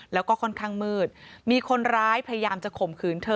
แล้วก็ค่อนข้างมืดมีคนร้ายพยายามจะข่มขืนเธอ